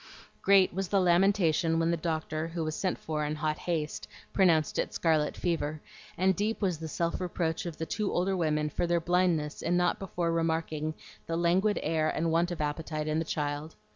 Great was the lamentation when the doctor, who was sent for in hot haste, pronounced it scarlet fever; and deep was the self reproach of the two older women for their blindness in not before remarking the languid air and want of appetite in the child.